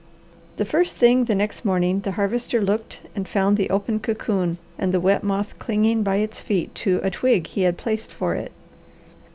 The first thing the next morning the Harvester looked and found the open cocoon and the wet moth clinging by its feet to a twig he had placed for it.